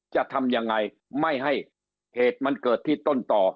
จะทำยังไงไม่ให้เหตุมันเกิดที่ต้นต่อ